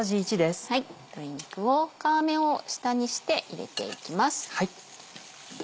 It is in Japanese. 鶏肉を皮目を下にして入れていきます。